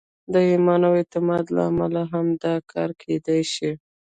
د ایمان او اعتقاد له امله هم دا کار کېدای شي